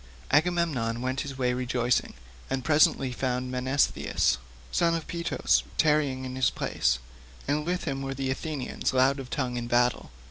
Agamemnon went his way rejoicing, and presently found Menestheus, son of Peteos, tarrying in his place, and with him were the Athenians loud of tongue in battle.